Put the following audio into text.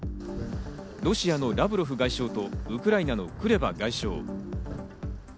ロシアのラブロフ外相とウクライナのクレバ外相。